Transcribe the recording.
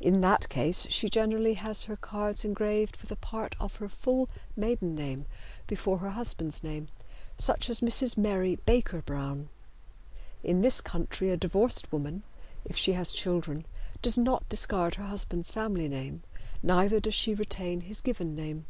In that case she generally has her cards engraved with a part of her full maiden name before her husband's name, such as Mrs. Mary Baker Brown. In this country a divorced woman, if she has children, does not discard her husband's family name, neither does she retain his given name.